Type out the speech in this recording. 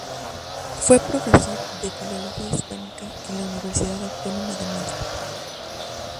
Fue profesor de Filología hispánica en la Universidad Autónoma de Madrid.